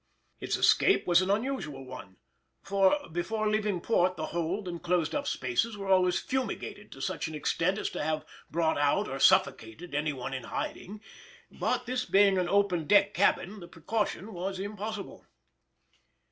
His escape was an unusual one, for, before leaving port the hold and closed up spaces were always fumigated to such an extent as to have brought out or suffocated any one in hiding; but this being an open deck cabin, the precaution was impossible.